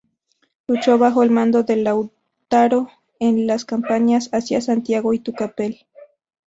Luchó bajo el mando de Lautaro en las campañas hacia Santiago y Tucapel.